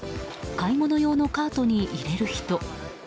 買い物用のカートに入れる人。